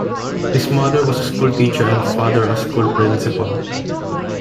His mother was a school teacher and father a school principal.